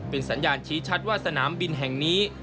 เป็นสัญญาณชี้ชัดว่าสนามบินแห่งนี้